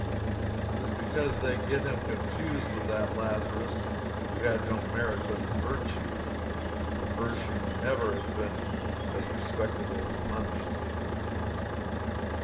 It is because they get him confused with that Lazarus who had no merit but his virtue, and virtue never has been as respectable as money.